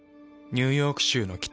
ニューヨーク州の北。